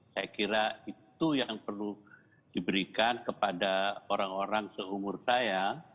saya kira itu yang perlu diberikan kepada orang orang seumur saya